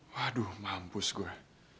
waduh mampus gue